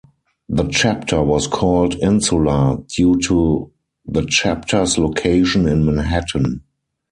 The chapter was called "Insula" due to the chapter's location in Manhattan.